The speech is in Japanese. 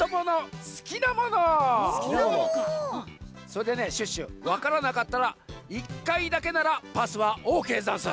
それでねシュッシュわからなかったら１かいだけならパスはオーケーざんす。